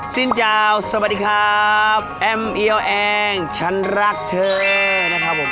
สิ้นเจ้าสวัสดีครับแอมเอียวเองฉันรักเธอนะครับผม